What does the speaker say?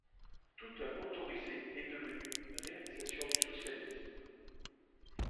Toute œuvre autorisée est devenue une réalisation du socialisme.